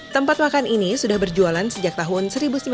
tempat makan ini sudah berjualan sejak tahun seribu sembilan ratus sembilan puluh